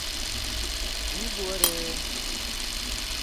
Jii guware.